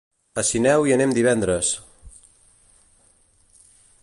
A Sineu hi anem divendres.